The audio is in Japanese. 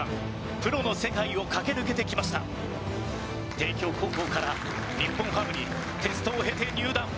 帝京高校から日本ハムにテストを経て入団。